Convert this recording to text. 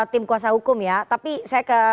tim kuasa hukum ya tapi saya ke